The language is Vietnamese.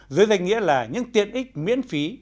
dưới danh nghĩa là những tiện ích miễn phí